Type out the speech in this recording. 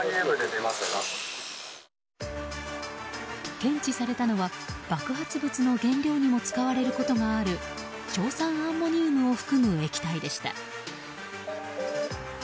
検知されたのは爆発物の原料にも使われることがある硝酸アンモニウムを含む液体でした。